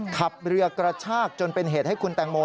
ขับเรือกระชากจนเป็นเหตุให้คุณแตงโม